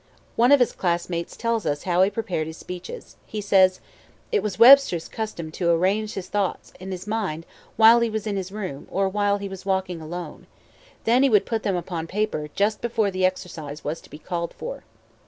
One of his classmates tells us how he prepared his speeches. He says: "It was Webster's custom to arrange his thoughts in his mind while he was in his room, or while he was walking alone. Then he would put them upon paper just before the exercise was to be called for.